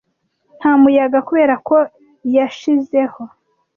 Nta muyaga, kubera ko yashizeho